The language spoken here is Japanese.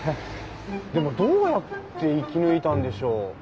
でもどうやって生き抜いたんでしょう？